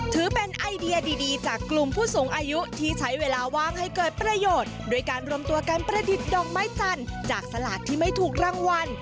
ถือเป็นไอเดียดีจากกลุ่มผู้สูงอายุที่ใช้เวลาว่างให้เกิดประโยชน์โดยการรวมตัวการประดิษฐ์ดอกไม้จันทร์จากสลากที่ไม่ถูกรางวัล